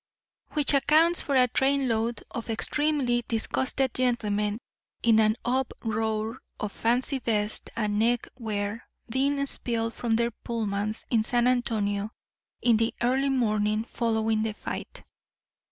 Which accounts for a trainload of extremely disgusted gentlemen in an uproar of fancy vests and neck wear being spilled from their pullmans in San Antonio in the early morning following the fight.